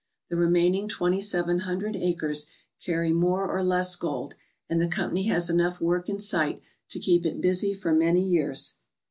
The remaining twenty seven hundred acres carry more or less gold, and the company has enough work in sight to keep it busy for many years.